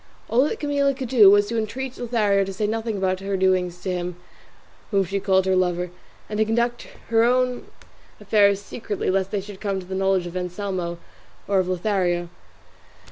All that Camilla could do was to entreat Leonela to say nothing about her doings to him whom she called her lover, and to conduct her own affairs secretly lest they should come to the knowledge of Anselmo or of Lothario.